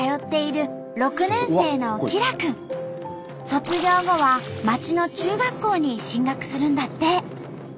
卒業後は町の中学校に進学するんだって。